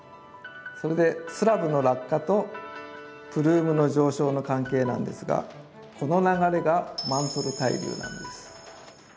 それでスラブの落下とプルームの上昇の関係なんですがこの流れがマントル対流なんです。